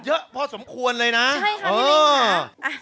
เยอะพอสมควรเลยนะใช่ค่ะพี่มิงค่ะ